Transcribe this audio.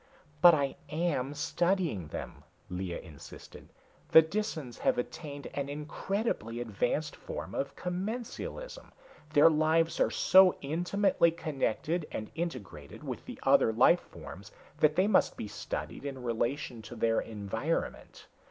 "But I am studying them," Lea insisted. "The Disans have attained an incredibly advanced form of commensalism. Their lives are so intimately connected and integrated with the other life forms that they must be studied in relation to their environment.